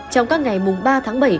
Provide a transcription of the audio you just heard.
trong các ngày mùng ba tháng bảy